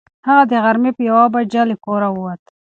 هغه د غرمې په یوه بجه له کوره ووت.